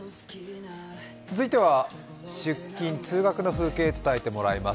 続いては出勤、通学の風景を伝えてもらいます。